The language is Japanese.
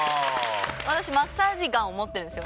私マッサージガンを持ってるんですよ。